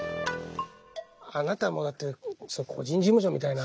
あなたもだって個人事務所みたいな。